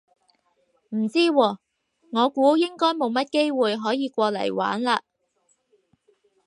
唔知喎，我估應該冇乜機會可以過嚟玩嘞